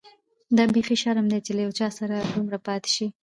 دا بيخي شرم دی چي له یو چا سره دومره پاتې شې.